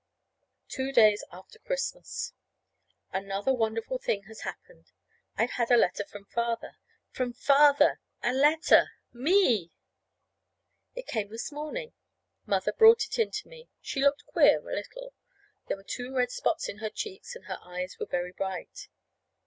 Two days after Christmas. Another wonderful thing has happened. I've had a letter from Father from Father a letter ME! It came this morning. Mother brought it in to me. She looked queer a little. There were two red spots in her cheeks, and her eyes were very bright.